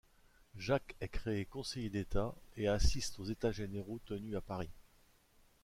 Jacques est créé conseiller d'État et assiste aux États généraux tenus à Paris.